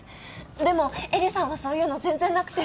でもエリさんはそういうの全然なくて。